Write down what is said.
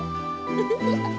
ウフフフッ！